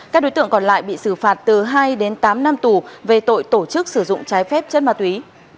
các đối tượng còn lại bị xử phạt từ hai đến tám năm tù về tội tổ chức sử dụng trái phép chất ma túy